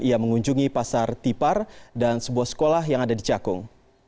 ia mengunjungi pasar tipar dan sebuah sekolah yang ada di cakung